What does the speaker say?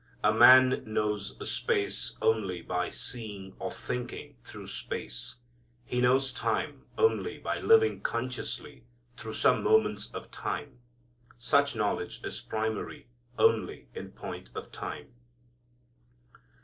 A man knows space only by seeing or thinking through space. He knows time only by living consciously through some moments of time. Such knowledge is primary only in point of time.